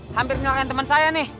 hampir minum makan temen saya nih